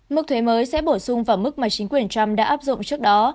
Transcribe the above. mức thuế mới sẽ bổ sung vào mức mà chính quyền trump đã áp dụng trước đó